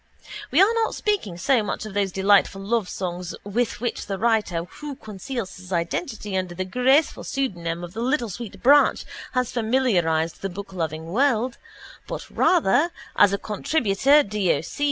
We are not speaking so much of those delightful lovesongs with which the writer who conceals his identity under the graceful pseudonym of the Little Sweet Branch has familiarised the bookloving world but rather (as a contributor D. O. C.